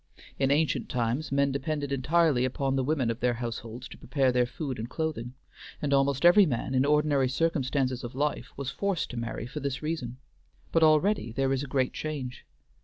In ancient times men depended entirely upon the women of their households to prepare their food and clothing, and almost every man in ordinary circumstances of life was forced to marry for this reason; but already there is a great change.